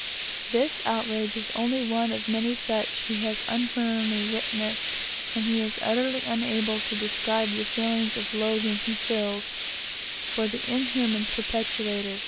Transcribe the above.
This outrage is only one of many such he has unwillingly witnessed, and he is utterly unable to describe the feelings of loathing he feels for the inhuman perpetrators.